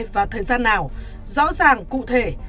và thời gian nào rõ ràng cụ thể